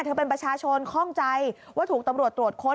เธอเป็นประชาชนข้องใจว่าถูกตำรวจตรวจค้น